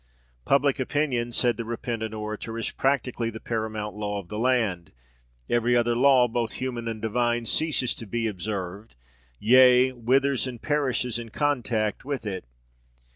"Public opinion," said the repentant orator, "is practically the paramount law of the land. Every other law, both human and divine, ceases to be observed; yea, withers and perishes in contact with it.